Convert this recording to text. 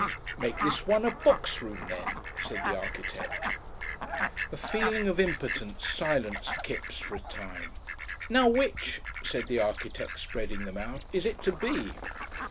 "Make this one a box room, then," said the architect. A feeling of impotence silenced Kipps for a time. "Now which," said the architect, spreading them out, "is it to be?"